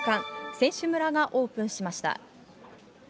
選手村がオープンしました。